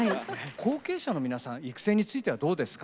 後継者の皆さん育成についてはどうですか？